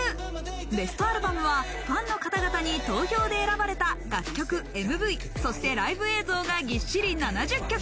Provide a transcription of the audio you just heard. ベストアルバムはファンの方々に投票で選ばれた楽曲、ＭＶ、そして、ライブ映像がぎっしり７０曲。